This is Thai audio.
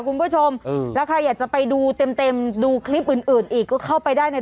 คุณผู้ชมแล้วใครอยากจะไปดูเต็มเต็มดูคลิปอื่นอื่นอีกก็เข้าไปได้ใน